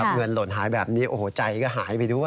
เงินหล่นหายแบบนี้โอ้โหใจก็หายไปด้วย